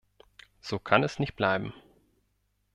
So kann es nicht bleiben.